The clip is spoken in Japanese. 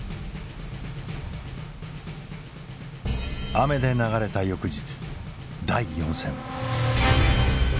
雨で流れた翌日第４戦。